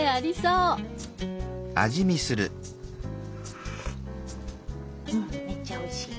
うんめっちゃおいしい。